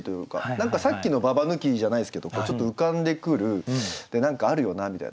何かさっきのババ抜きじゃないですけどちょっと浮かんでくる何かあるよなみたいな。